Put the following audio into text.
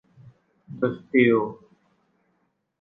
เดอะ สตีล